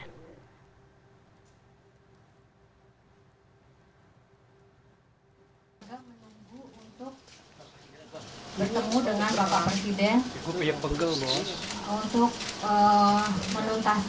kami menunggu untuk bertemu dengan bapak presiden untuk menuntaskan kasus ini